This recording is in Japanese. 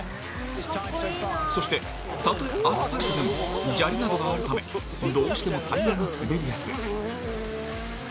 そして、たとえアスファルトでも砂利などがあるためどうしてもタイヤが滑りやすい。